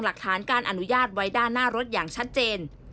หลักฐานการอนุญาตไว้ด้านหน้ารถอย่างชัดเจน